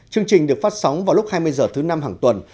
chương trình được phát sóng vào lúc hai mươi h thứ năm hàng tuần